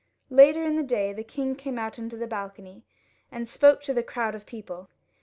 Later in the day the king came out on the balcony, and spoke to the crowd of people.